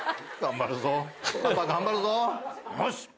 よし！